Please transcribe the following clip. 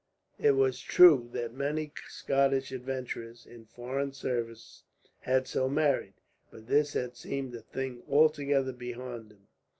It was true that many Scottish adventurers in foreign services had so married, but this had seemed a thing altogether beyond him.